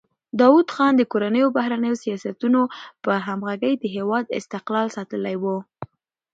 داوود خان د کورنیو او بهرنیو سیاستونو په همغږۍ د هېواد استقلال ساتلی و.